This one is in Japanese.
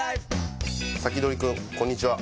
サキドリくんこんにちは。